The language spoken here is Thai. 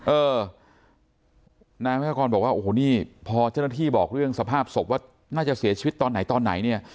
เออนายพกรบอกว่าโอ้โหนี่พอเจ้าหน้าที่บอกเรื่องสภาพศพว่าน่าจะเสียชีวิตตอนไหนตอนไหนเนี่ย